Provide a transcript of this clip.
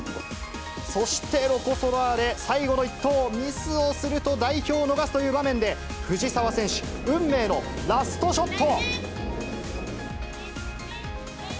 そしてロコ・ソラーレ、最後の一投、ミスをすると代表を逃すという場面で、藤澤選手、運命のラストショット。